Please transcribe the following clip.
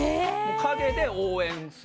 陰で応援する。